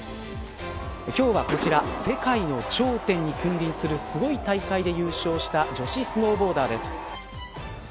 今日はこちら世界の頂点に君臨するすごい大会で優勝した女子スノーボーダーです。